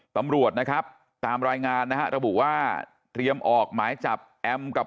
ตำรวจนะครับตามรายงานนะฮะระบุว่าเตรียมออกหมายจับแอมกับ